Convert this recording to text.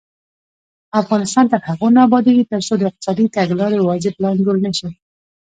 افغانستان تر هغو نه ابادیږي، ترڅو د اقتصادي تګلارې واضح پلان جوړ نشي.